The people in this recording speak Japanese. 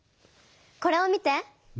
これを見て！